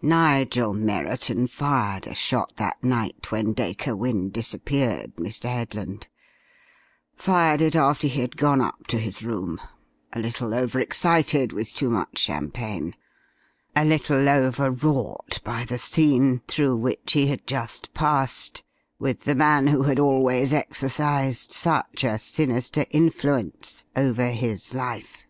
Nigel Merriton fired a shot that night when Dacre Wynne disappeared, Mr. Headland; fired it after he had gone up to his room, a little over excited with too much champagne, a little over wrought by the scene through which he had just passed with the man who had always exercised such a sinister influence over his life."